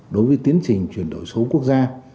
đối với tiến trình chuyển đổi số quốc gia